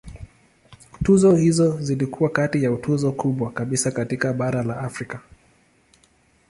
Tuzo hizo zilikuwa kati ya tuzo kubwa kabisa katika bara la Afrika.